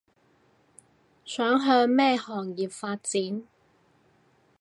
想向咩行業發展